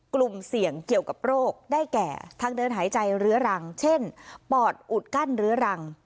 กลุ่มเสี่ยงเกี่ยวกับโรคได้แก่ทางเดินหายใจเรื้อรังเช่นปอดอุดกั้นเรื้อรัง